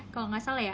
kalau nggak salah ya